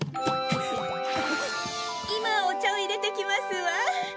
今お茶を入れてきますわ。